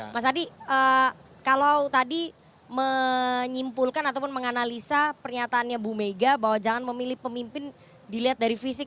mas adi kalau tadi menyimpulkan ataupun menganalisa pernyataannya bu mega bahwa jangan memilih pemimpin dilihat dari fisik